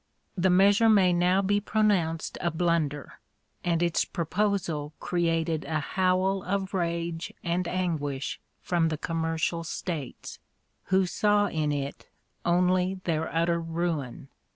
The measure may now be pronounced a blunder, and its proposal created a howl of rage and anguish from the commercial states, who saw in it only their utter ruin.